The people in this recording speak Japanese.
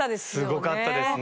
すごかったですね。